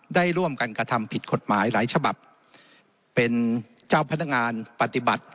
ได้ร่วมกันกระทำผิดกฎหมายหลายฉบับเป็นเจ้าพนักงานปฏิบัติ